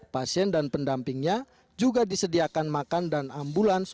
pasien dan pendampingnya juga disediakan makan dan ambulans